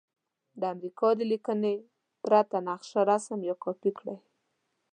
د امریکا د لیکنې پرته نقشه رسم یا کاپې کړئ.